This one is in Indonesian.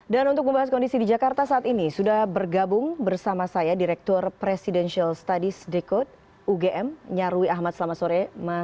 dan untuk membahas kondisi di jakarta saat ini sudah bergabung bersama saya direktur presidential studies dekod ugm nyarwi ahmad selamat sore